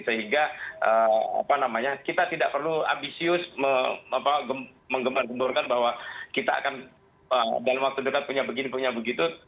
sehingga apa namanya kita tidak perlu ambisius menggemburkan bahwa kita akan dalam waktu dekat punya begini punya begitu